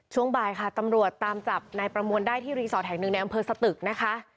ช่วงบ่ายค่ะตำรวจตามจับนายประมวลได้ที่รีสอร์ทแห่งหนึ่งในอำเภอสตึกนะคะ